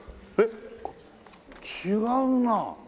えっ違うな。